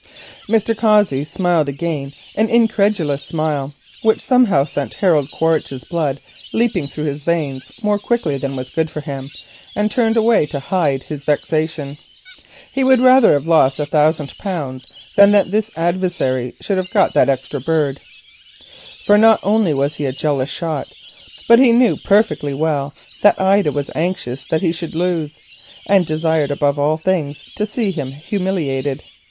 Mr. Cossey smiled again, as he turned away to hide his vexation, an incredulous smile, which somehow sent Harold Quaritch's blood leaping through his veins more quickly than was good for him. Edward Cossey would rather have lost a thousand pounds than that his adversary should have got that extra bird, for not only was he a jealous shot, but he knew perfectly well that Ida was anxious that he should lose, and desired above all things to see him humiliated.